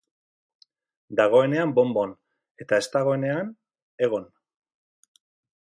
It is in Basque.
Dagoenean bon-bon, eta ez dagoenean egon.